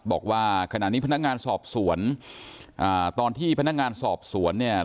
บอกว่าขณะนี้พนักงานสอบสวนอ่าตอนที่พนักงานสอบสวนเนี่ย